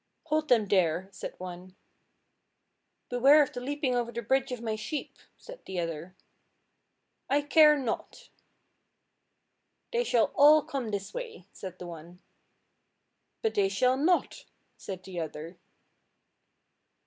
"Hold them there," said one. "Beware of the leaping over the bridge of my sheep," said the other. "I care not." "They shall all come this way," said the one. "But they shall not," said the other.